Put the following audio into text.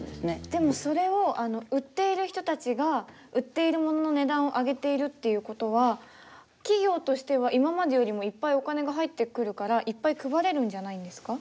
でもそれを売っている人たちが売っている物の値段を上げているっていうことは企業としては今までよりもいっぱいお金が入ってくるからいっぱい配れるんじゃないんですか？